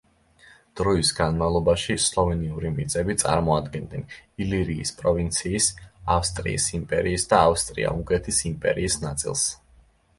დროის განმავლობაში სლოვენიური მიწები წარმოადგენდნენ: ილირიის პროვინციის, ავსტრიის იმპერიის და ავსტრია-უნგრეთის იმპერიის ნაწილს.